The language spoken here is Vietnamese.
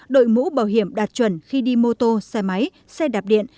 đội mũ bảo hiểm đạt chuẩn khi đi mô tô xe máy xe đạp điện